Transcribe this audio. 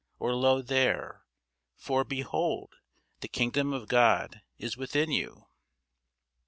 or, lo there! for, behold, the kingdom of God is within you.